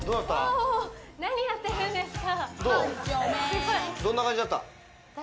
何やってるんですか？